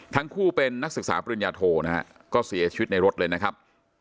ทั้งคู่เป็นนักศึกษาปริญญาโทนะฮะก็เสียชีวิตในรถเลยนะครับ